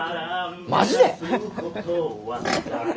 マジで？